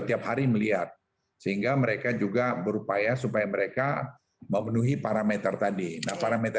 tiap hari melihat sehingga mereka juga berupaya supaya mereka memenuhi parameter tadi nah parameter